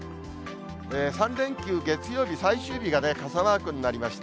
３連休、月曜日、最終日がね、傘マークになりました。